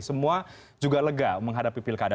semua juga lega menghadapi pilkada